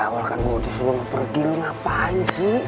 ya awal kan gua disuruh pergi lu ngapain sih